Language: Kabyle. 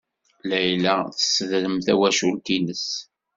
Layla tessedrem tawacult-nnes.